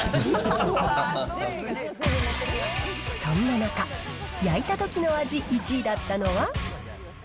そんな中、焼いたときの味１位だったのは。